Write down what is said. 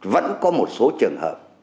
vẫn có một số trường hợp